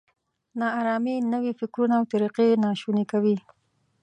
نا ارامي نوي فکرونه او طریقې ناشوني کوي.